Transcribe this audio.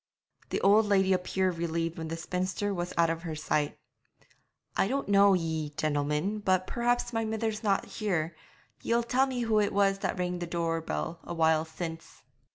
The old lady appeared relieved when the spinster was out of her sight. 'I don't know ye, gentlemen, but perhaps now my mither's not here, ye'll tell me who it was that rang the door bell a while since.'